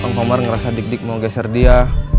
bang komar ngerasa dik dik mau geser dia